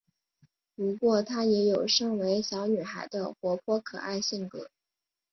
不过她也有身为小女孩的活泼可爱性格。